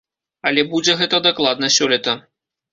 Але будзе гэта дакладна сёлета.